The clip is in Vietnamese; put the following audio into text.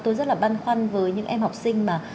tôi rất là băn khoăn với những em học sinh mà